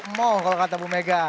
moh kalau kata bu mega